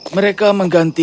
mereka mengganti dia